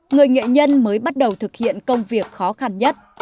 người nghệ nhân mới bắt đầu thực hiện công việc khó khăn nhất